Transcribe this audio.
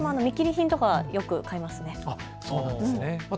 私も見切り品とかよく買います。